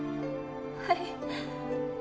はい。